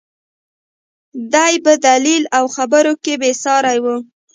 دى په دليل او خبرو کښې بې سارى و.